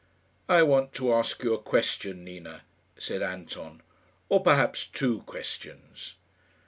"I want to ask you a question, Nina," said Anton; "or perhaps two questions."